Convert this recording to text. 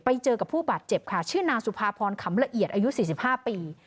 ไปเจอกับผู้บาดเจ็บค่ะชื่อนางสุภาพรขำละเอียดอายุ๔๕ปี